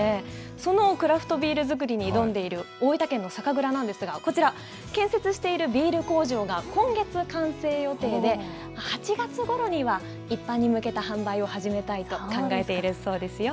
そのクラフトビール作りに挑んでいる大分県の酒蔵なんですが、こちら、建設しているビール工場が、今月完成予定で、８月ごろには一般に向けた販売を始めたいと考えているそうですよ。